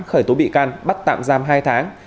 khởi tố bị can bắt tạm giam hai tháng